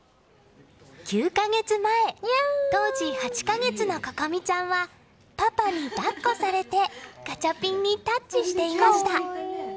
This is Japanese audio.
９か月前当時８か月の心実ちゃんはパパに抱っこされてガチャピンにタッチしていました。